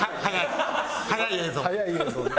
速い映像ね。